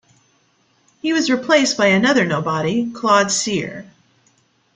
He was replaced by another nobody, Claude Cyr.